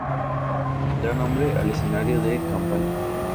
Da nombre al escenario de campaña.